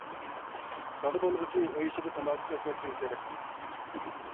دادا بولغۇچى ئۆي ئىچىدە تاماكا چەكمەسلىكى كېرەك.